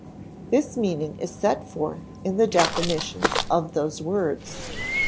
This meaning is set forth in the definitions of those words.